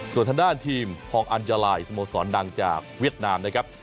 ส่วนทางด้านทีมฮองอัญญาลายสโมสรดังจากเวียดนามนะครับ